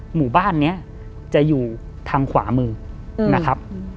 หมู่บ้านนี้จะอยู่ทางขวามือนะครับ